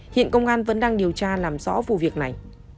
hiện công an vẫn đang điều tra làm rõ vụ việc này